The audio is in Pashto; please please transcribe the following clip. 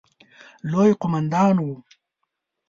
لوی قوماندان وو.